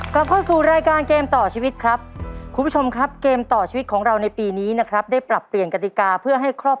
ขอบคุณครับ